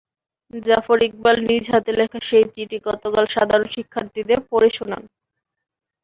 জাফর ইকবাল নিজ হাতে লেখা সেই চিঠি গতকাল সাধারণ শিক্ষার্থীদের পড়ে শোনান।